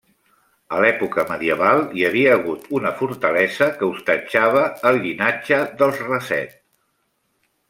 A l'època medieval hi havia hagut una fortalesa que hostatjava el llinatge dels Raset.